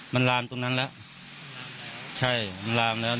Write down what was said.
มันลามตรงนั้นแล้ว